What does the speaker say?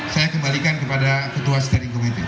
saya kembalikan kepada ketua starting committee